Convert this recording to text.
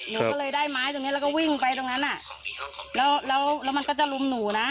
หนูก็เลยได้ไม้ตรงเนี้ยแล้วก็วิ่งไปตรงนั้นอ่ะแล้วแล้วมันก็จะรุมหนูนะ